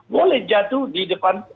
boleh jatuh di depan